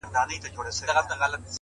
علم د عقل غذا ده,